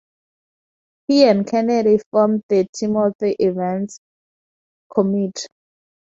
He and Kennedy formed the Timothy Evans Committee.